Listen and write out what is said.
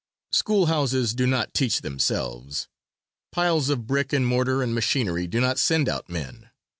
School houses do not teach themselves piles of brick and mortar and machinery do not send out men.